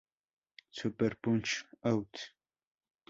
Super Punch Out!